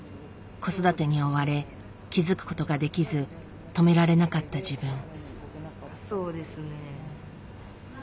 子育てに追われ気付くことができず止められなかった自分。